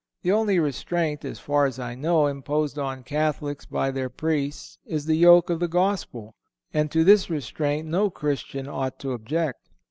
The only restraint, as far as I know, imposed on Catholics by their Priests is the yoke of the Gospel, and to this restraint no Christian ought to object.